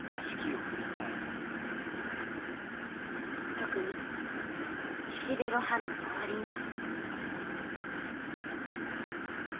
特に岸辺露伴の周りには。